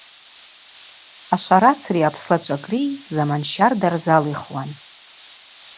Ашварацри апслачвакӏри заман щарда рзалихуан.